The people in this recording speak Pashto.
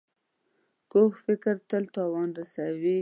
کوږ فکر تل تاوان رسوي